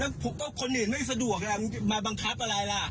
แล้วก็คนอื่นไม่สะดวกมาบังคับอะไรล่ะ